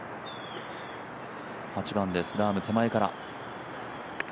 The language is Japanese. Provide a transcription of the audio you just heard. ８番です、ラーム、手前から。